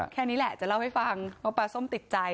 แค่นี้แหละจะเล่าให้ฟังว่าปลาส้มติดใจ